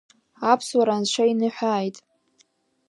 Аԥсуара Анцәа иныҳәааит!